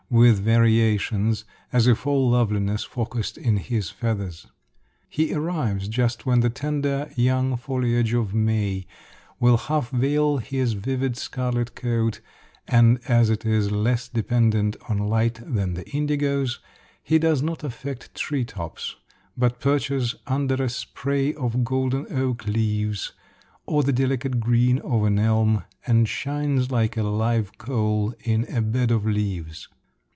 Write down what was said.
_" with variations, as if all loveliness focused in his feathers. He arrives just when the tender young foliage of May will half veil his vivid scarlet coat; and as it is less dependent on light than the indigo's, he does not affect tree tops, but perches under a spray of golden oak leaves or the delicate green of an elm, and shines like a live coal in a bed of leaves.